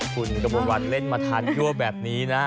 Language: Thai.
คุณกระมวลวันเล่นมาทานยั่วแบบนี้นะ